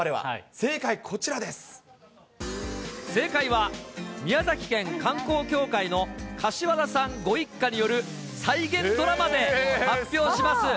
正解、正解は、宮崎県観光協会の柏田さんご一家による再現ドラマで発表します。